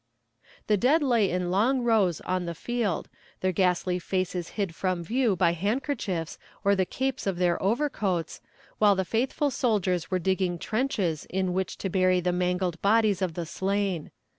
The dead lay in long rows on the field, their ghastly faces hid from view by handkerchiefs or the capes of their overcoats, while the faithful soldiers were digging trenches in which to bury the mangled bodies of the slain.